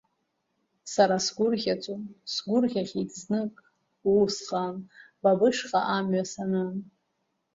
Сара сгәырӷьаӡом, сгәырӷьахьеит знык, усҟан ба бышҟа амҩа санын.